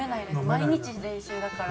毎日練習だから。